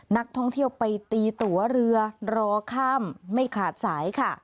นักท่องเที่ยวไปตีตัวเรือรอข้ามไม่ขาดสายค่ะ